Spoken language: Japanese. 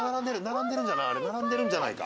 並んでる並んでるんじゃない？